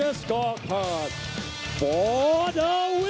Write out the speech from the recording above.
เพื่อรักษา